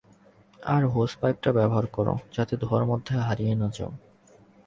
আর hose পাইপটা ব্যবহার কর যাতে ধোঁয়ার মধ্যে হারিয়ে না যাও।